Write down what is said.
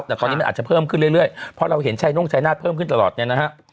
แต่ตอนนี้มันอาจจะเพิ่มขึ้นเรื่อยเพราะเราเห็นชายน่งชายนาฏเพิ่มขึ้นตลอดเนี่ยนะฮะ